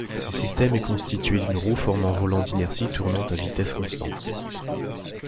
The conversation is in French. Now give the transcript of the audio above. Ce système est constitué d'une roue formant volant d'inertie tournant à vitesse constante.